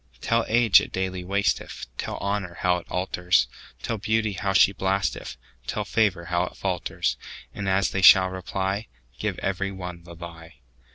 Tell age it daily wasteth; Tell honour how it alters; Tell beauty how she blasteth; Tell favour how it falters:And as they shall reply, Give every one the lie.